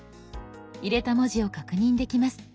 入れた文字を確認できます。